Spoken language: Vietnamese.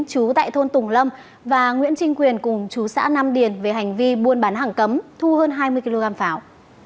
chú tại thôn tùng lâm và nguyễn trinh quyền cùng chú xã nam điền về hành vi buôn bán hàng cấm thu hơn hai mươi kg pháo